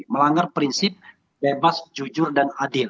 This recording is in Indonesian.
melanggar prinsip bebas jujur dan adil